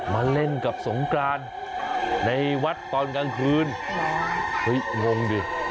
มาเล่นกับสงกรานในวัดตอนกลางคืนเฮ้ยงงดิ